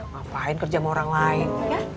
ngapain kerja sama orang lain